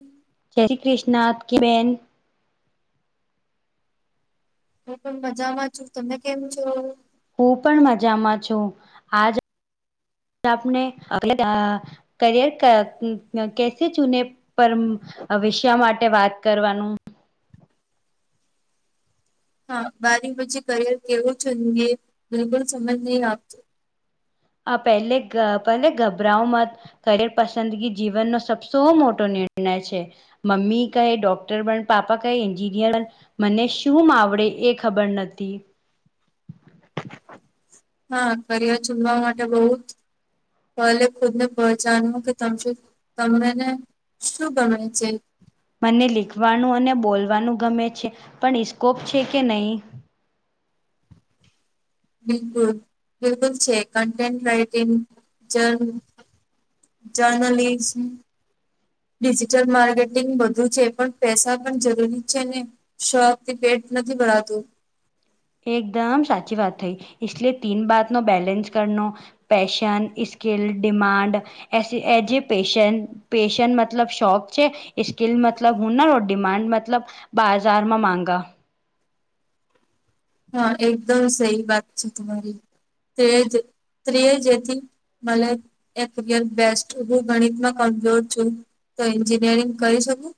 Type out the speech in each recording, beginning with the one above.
હમ. જય શ્રી કૃષ્ણ આપકી બેન. હું પણ મજા માં છું તમે કેમ છો. હું પણ મજામાં છું આજ આપને કરિયર ક કેશે ચુને. પરમ આવિષા માટે વાત કરવાનું. હા બારી પછી કરિયર કેવું છે બિલકુલ સમજ નહી આપતો આ પહેલે ગ પહેલે ઘબરાઓ મત કરિર પસંદગી જીવનનો સબસો મોટો નિર્ણય છે. મમી કહે ડોક્ટર બન પાપા કહે ન્જીિનિયર બન. મને શું માવડે એ ખબર નથી હા કરિયર ચુનવા માટે બહુ જ. પલે ખુદ ને પચાનવું કે તામસી તમને શું ગમે છે. મને લીખવાનું અને બોલવાનું ગમે છે પણ ઇસ્કોપ છે કે નહીં. બિલકુલ બિલકુલ છે કન્ટેન્ટ રાઇટિંગ જન જર્નલિસ્ટ ડિજિટલ માર્કેટિંગ બધું છે પણ પૈસા પણ જરૂરી છે ને શક થી પેટ નથી ભરાતું. એકદમ સાચી વાત થઈ ઈશલે તીન બાતનો બેલેન્સ કરનો પેશન ઈસ્કીલ ડિમાન્ડ એશી એ જે પેશન પેશન મતલબ શોખ છે. ઈસ્કિલ મતલબ હું ના ડિમાડ મતલબ બાજારમાં મામાંગા હા એકદમ સહી વાત છે તમારી તે જ તે જ હતી. મલય એક દમ બેસ્ટ હું ગણિતમાં કમજોર છું. તો એન્જિનિયરિંગ કરી શકું.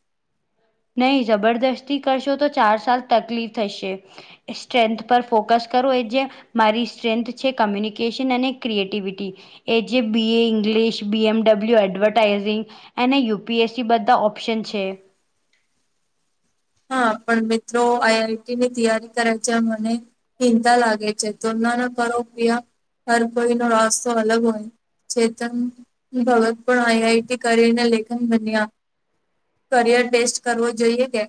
નહી જબરદસ્તી કરશો તો ચાર સાલ તકલીફ થશે. સ્ટ્રેન્થ પર ફોકસ કરવું એ જે. મારી સ્ટ્રેન્થ છે કમ્યુનિકેશન અને ક્રિએટિવિટી. એ જે બી એઇંગ્લિશ બી એમડબલ્યુ એડવટાઈઝિંગ. એને યુપીએસસી બધા ઓપ્શન છે. હા પણ મિત્રો આઈઆઈટી ની તૈયારી કરે છે મને. ચિંતા લાગે છે તોનાના કરો કીયા હર કોઈ ન રસ્તો અલગ હોય. ચેતન ભગતપ આઈ આઈટી કરીને લેખન બન્યા. કરિયર ટેસ્ટ કરવો જોઈએ કે.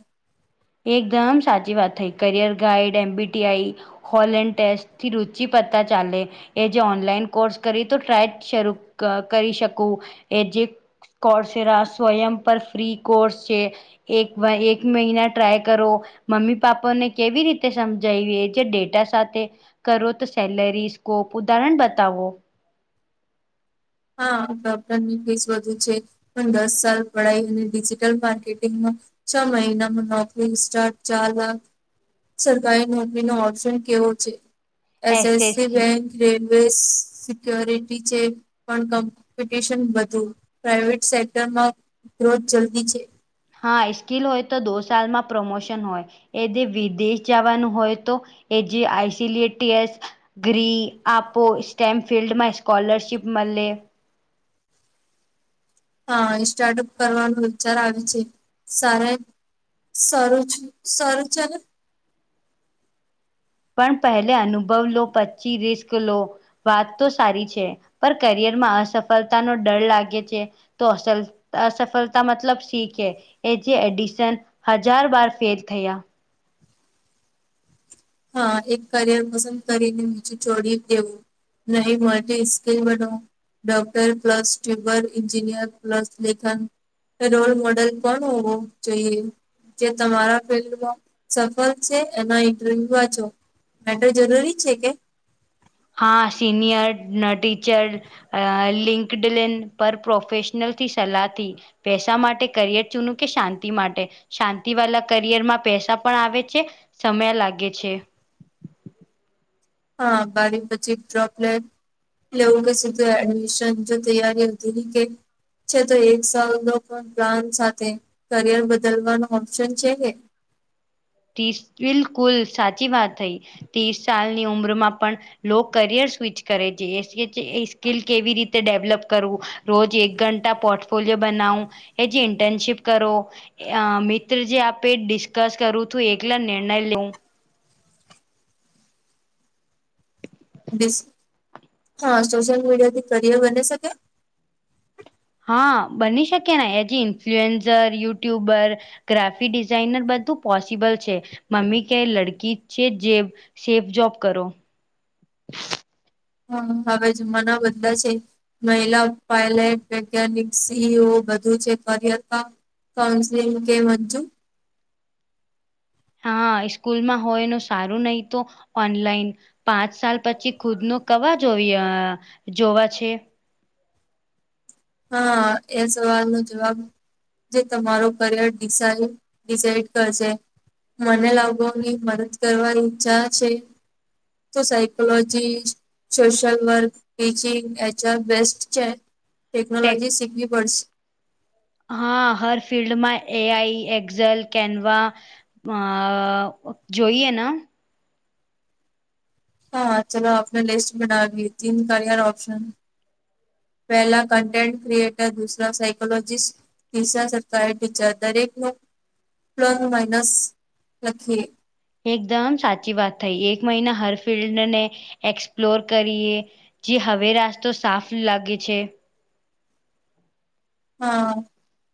એકદમ સાચી વાત થઈ કરિયર ગાઈડ એમબીટીઆઈ. હોલેન્ડ ટેસ્ટથી રુચિ પતા ચાલે. એ જે ઓનલાઈન કોર્સ કરી તો ટ્રાય શરૂ ક કરી શકું એ જે. કોર્સેરા સ્વયં પર ફ્રી કોર્સ છે એક એક મહિના. ટ્રાય કરો મમ્મી પાપાને કેવી રીતે સમજાવી છે ડેટા સાથે. કરો તો સેલરી સ્કોપ ઉદાહરણ બતાવો. હા ડૉક્ટર ની ફીસ વધુ છે. પણ દસ સાલ પડાય અને ડિજિટલ માર્કેટિંગમાં. છ મહિનામાં નોકરી સ્ટાર્ટ ચાલ લ. સરકારી નોકરીનો ઓપ્શન કેવો છે. એસએસસી બેંક રેલવે [unintelligible] સિક્ય્યોરિટી છે. પણ કોમ્પિટિશન વધુ પ્રાઈવેટ સેક્ટરમાં ગ્રોથ જલ્દી છે. હા સ્કીિલ હોય તો દો સાલમાં પ્રમોશન હોય. એ જે વિદેશ જવાનું હોય તો એ જે [unintelligible] ગ્રી આપો સ્ટેમ ફિલ્ડમાં સ્કોલરશીપ મળે. હા સ્ટાર્ટઅપ કરવાનું વિચાર આવે છે સાર. સરરોજ સરજન. પણ પહેલે અનુભવ લો પછી રિસ્ક લો. વાત તો સારી છે પણ કરિયર માં અસફળતાનો ડર લાગે છે. તો અસલ અસફલતા મતલબ શીખે. એ જે એડિશન હજાર બાર ફેલ થયા. હા એક કરિયર પસંદ કરીને બીજુ [inaudible] દેવું. નહી માટે skill [inaudible] doctor plus ટ્યબર engineer plus લેખન. રોલ મોડેલ કોણ હોવો જોઈએ. જે તમારા ફિલ્ડમાં સફળ છે એના. અ વા છો મેટર જરૂરી છે કે. હા સિનિયર ન ટીચર. અ લિંકડીન ન પર પ્ર્રોફેેશનલથી સલાહથી. પૈસા માટે કરિયર ચૂનું કે શાંતિ માટે. શાંતિ વાળા કરિયરમાં પૈસા પણ આવે છે સમય લાગે છે. હા બારી પછી ડ્રોપલેટ. એ લો એવું કે સીધું એડમિશન જો તૈયારી હતી ને કે. છે તો એક સ પ્લાન સાથે કરિયર બદલવાનો ઓપ્શન છે કે. [inaudible] બિલકુલ સાચી વાત થઈ ત્રીસ સાલની ઉંમરમાં પણ. લો કરિયર સ્વિચ કરે છે એ [inaudible] સ્કીલ કેવી રીતે ડેવલપ કરવું. રોજ એક ઘંટા પોર્ટફોલિયો બનાવ એજી ઇન્ટર્નશિપ કરો. અ મિત્ર જે આપે ડિસ્કસ કરું છું એકલા નિર્ણય લેવું. [inaudible] હા સોશિયલ મીડિયાથી કરિયર બની શકે. હા બની શકે ને હજી ઇન્ફ્લુએન્ઝર યુટ્યુબર. ગ્રાફિક ડિઝાઇનર બધું પોસિબલ છે મમ્મી કે લડકી છે જે. સેફ જોબ કરો. [inaudible] હા હવે જમાના બધલા છે [inaudible] મહિલા પાયલટ વૈજ્ઞાનિક સીઈઓ બધું છે કર [inaudible] કઉન્સેલિંગ કેમ હતું. હા સ્કૂલમાં હોય ન સારું નહી તો ઓનલાઈન. પાંચ સાલ પછી ખુદ નુ કવા જો [inaudible] જોવા છે. હા એ સવાલ નો જવાબ. જે તમારો કરિયર ડિસાઇડ ડિસાઇડ કરશે. મને [unintelligible] મદદ કરવાની ઈચ્છા છે. તો psychology social work teaching HR best છે. ટેક ટેક્નોલોજી શીખવી પડશે. હા હર ફિલ્ડમાં એ આઈ એક્ઝલ કેનવા અ અ જોઈએ ન. હા ચલો આપને લિસ્ટ બનાવીએ તીન કરયર ઓપ્શન. પહેલા કન્ટેન્ટ ક્રિએટર, દુસરા સાયકોલોજીિસ્ટ તીસરા સર [unintelligible] દરેક નું પ્લસ માઇનસ લખી એકદમ સાચી વાત થઈ. એક મહિના હર ફિલ્ડ ને એક્સપ્લોર કરીએ. જે હવે રાસ્તો સાફ લાગે છે. હા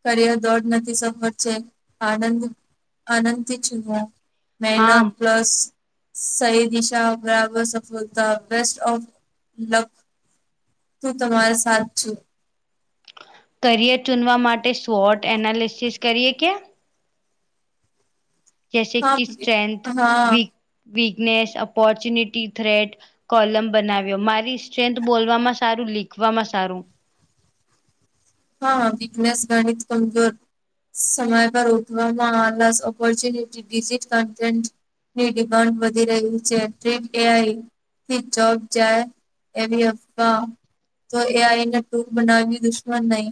કરિયર દોડ નથી, સફર છે. આનંદ આનંદ થી ચૂનો હા મેહનત પ્લસ સહી દિશા બરાબર સફળતા બેસ્ટ ઓફ લક. તું તમાર સાથ છું. કરિયર ચૂનવા માટે શોટ એનાલિસિસ કરીએ કે. જસે હા કે પ્રિય. સ્ટ્રેન્થ હા weak weakness, opportunity threat column બનાવ્યો. મારી સ્ટ્રેન્થ બોલવામાં સારું, લીખવામાં સારું. હા વીકનેસ ગણીત કમજોર. સમય પર ઉઠવામાં આળસ, ઓપોર્ચ્યુનિટી ડિજિટ કન્ટેન્ટ ની ડિમાન્ડ વધી રહી છે. ડ્રીમ એ આઈ થી જોબ જાય એવી અફવા તો એ આઈને દૂત બનાવી દુશ્મન નહી.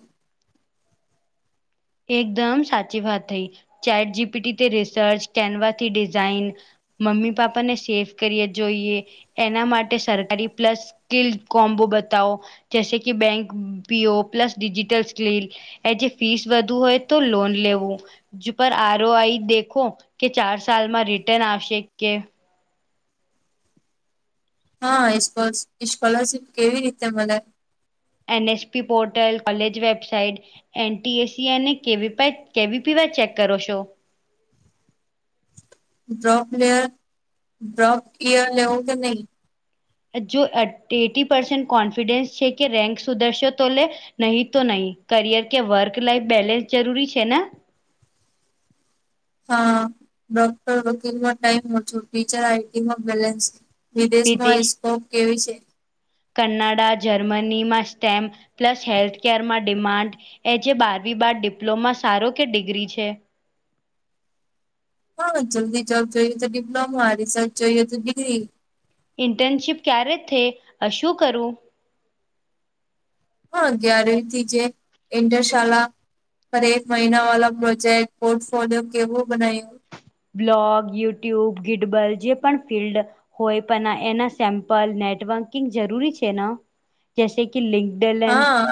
એકદમ સાચી વાત થઈ. ચેટ જીપીટીથી રિસર્ચ, કેનવાથી ડિઝાઇન મમ્મી પાપા ને સેફ કરીએ જોઈએ એના માટે સરકારી પ્લસ, સ્કીલ કોમ્બો બતાવો. જૈસે કે bank P O plus digital skill એજે ફીસ વધુ હોય તો લોન લેવું. જ પર આરો આઈ દેખો કે ચાર સાલમાં રિટર્ન આવશે કે. હા ઈ સપો સ્કોલરશિપ કેવી રીતે મલે. N S P portal, college website N T એસી અને કેવી પેક કેવી પીવા ચેક કરો છો. ડ્રોપ લેયર, ડ્રોપ કિયર ને એવું બધું નય. જો એટ એટી પરસેન્ટ કોન્ફિડન્સ છે કે રેન્ક સુધરશે તો લે. નહીં તો નય. કરિયર કે વર્ક લાઈફ બેલેન્સ જરૂરી છે ને. હા ડોક્ટર, વકીલમાં ટાઈમ ઓછો થઈ જાય. આઈટીમાં બેલેન્સ વિદેશમાં વિદેશ ઈસ્કોપ કેવી છે? કનાડા, જર્મનીમાં સ્ટેમ પ્લસ હેલ્થકેરમાં ડિમાન્ડ એ જે બારમી બાદ ડિપ્લોમા સારો કે ડિગ્રી છે. હા જલ્દી જોબ જોયે તો ડિપ્લોમા હારી રિસર્ચ જોયે તો ડિગ્રી. ઇન્ટર્નશીપ ક્યારે થે અ શું કરું. હા ગ્યારવી થી જે ઇન્ટરશાલા પર એક મહિના વાળા પ્રોજેક્ટ, પોર્ટફોલિયો કેવું બનાય્યું. બ્લોગ, યુટ્યુબ, ગિટબલ જે પણ ફિલ્ડ હોય પણ એના સેમ્પલ નેટવર્કિંગ જરૂરી છે ને. જેસે કે લિંકડલન. હા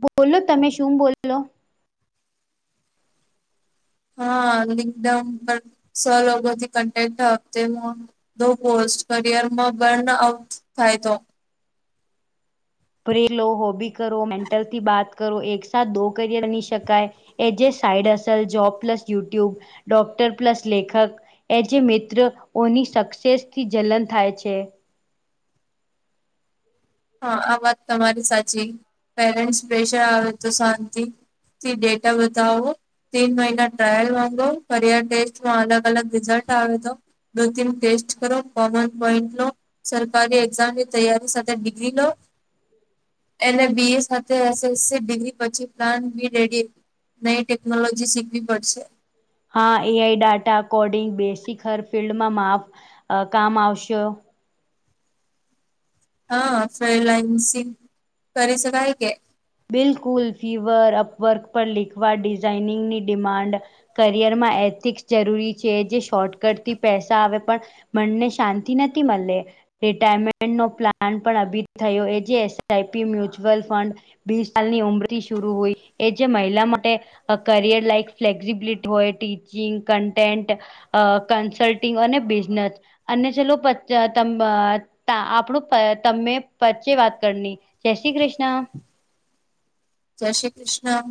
બોલો તમે શું બોયલા? હા લિંકડમ પણ સો લોકોથી કન્ટેન્ટ આપતું હા. દો પોસ્ટ કરિયરમાં બર્ન આઉટ થાય તો. પ્રે લો, હોબી કરો. મેન્ટલથી બાત કરો એકસાથ દો કરિયર બની શકાય. એ જે સાઈડ અસલ job plus YouTube, doctor plus લેખક. એ જે મિત્ર ઓની સક્સેસ થી જલન થાય છે. હા આ વાત તમારી સાચી. પેરેન્ટ્સ પ્રેશર આવે તો શાંતિ. થી ડેટા બતાવો. તીન મહિના ટ્રાયલ માંગો કરિયર ટેસ્ટમાં અલગ અલગ રિઝલ્ટ આવે તો. દો દિન ટેસ્ટ કરો. કોમન પોઈન્ટ લો સરકારી એક્ઝામની તૈયારી સાથે બી લી લો એને બી એ સાથે એસસિગ્રી પછી પ્લાન બી રેડી. નઈ ટેકનોલોજી શીખવી પડશે. હા એઆઈ ડાટા કોડિંગ બેસી હર ફિલ્ડમાં માફ કામ આવશે. હા ફ્રીલાન્સિંગ કરે છે કાય કે. બિલકુલ ફીવર અપવર્ક પર લીખવા ડિઝાઇનિંગની ડિમાન્ડ કરિયર માં એથિક્સ જરૂરી છે જે શોર્ટકટ થી પૈસા આવે પણ. મનને શાંતિ નથી મળે. રિટાયરમેન્ટ નો પ્લાન પણ અભી થયો એ જે એસઆઈપી મ્યુચ્યુઅલ ફંડ. બીસ સાલની ઉંમરથી શરુ હોય એ જે મહિલા માટે. કરિયર લાઈક ફ્લેક્સિબિલિટી હોય ટીચિંગ કન્ટેન્ટ. અ કન્સલ્ટિંગ અને બિઝનેસ. અને ચલો આપણું તમે પ્ચે વાત કરની. જય શ્રી કૃષ્ણ. જય શ્રી કૃષ્ણ.